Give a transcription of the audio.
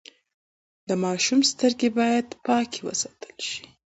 د ماشوم سترګې باید پاکې وساتل شي۔